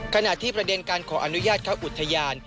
ขณะที่ประเด็นการขออนุญาตเข้าอุทยาน